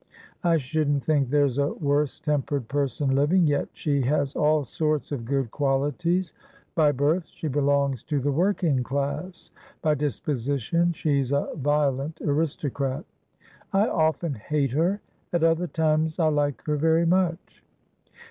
I shouldn't think there's a worse tempered person living, yet she has all sorts of good qualities. By birth, she belongs to the working class; by disposition she's a violent aristocrat. I often hate her; at other times, I like her very much."